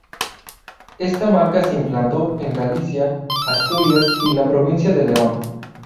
Esta marca se implantó en Galicia, Asturias y la provincia de León.